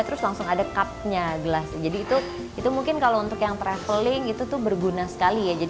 terus langsung ada cup nya jadi itu mungkin kalau untuk yang traveling itu berguna sekali ya